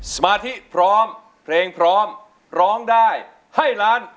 สมาธิพร้อมเพลงพร้อมร้องได้ให้ล้าน